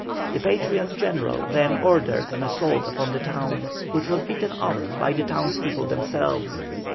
The Patriot general then ordered an assault upon the town, which was beaten off by the townspeople themselves.